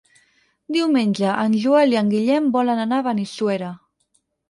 Diumenge en Joel i en Guillem volen anar a Benissuera.